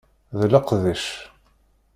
D leqdic.